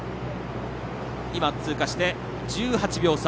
通過して１８秒差。